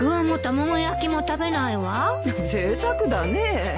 ぜいたくだね。